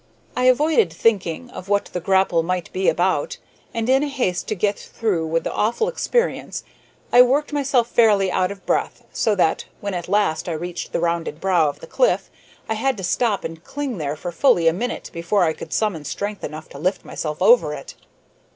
I avoided thinking of what the grapple might be about, and in my haste to get through with the awful experience I worked myself fairly out of breath, so that, when at last I reached the rounded brow of the cliff, I had to stop and cling there for fully a minute before I could summon strength enough to lift myself over it.